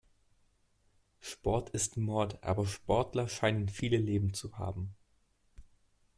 Sport ist Mord, aber Sportler scheinen viele Leben zu haben.